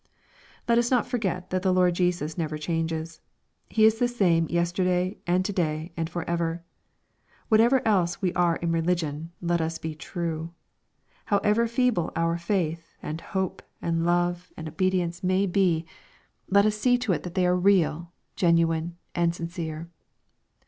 Let us not forget that the Lord Jesus never changes. He is the same yesterday, and to day, and for ever. Whatever else we are in religion let us be true. How ever feeble ou . faith, and hope, and love, and obedience LUKE, CHAP. XX. 347 may be, let us see to it that they are real, genuine, and eincere.